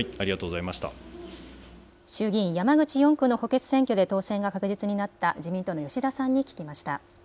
衆議院山口４区の補欠選挙で当選が確実になった吉田さんに話を聞きました。